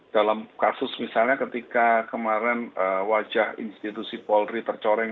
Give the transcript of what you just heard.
dalam kasus misalnya ketika kemarin wajah institusi polri tercoreng